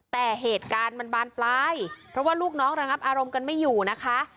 แต่เหตุการณ์มันบานปลายเพราะว่าลูกน้องระงับอารมณ์กันไม่อยู่นะคะ